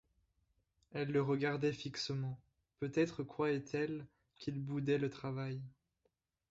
Elle le regardait fixement, peut-être croirait-elle qu’il boudait le travail.